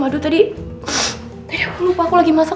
aduh tadi aku lupa aku lagi masak